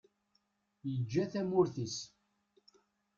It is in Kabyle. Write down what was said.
Yeǧǧa tamurt-is.